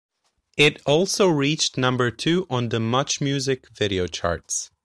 It also reached number two on the "MuchMusic" video charts.